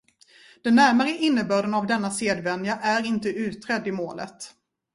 Den närmare innebörden av denna sedvänja är inte utredd i målet.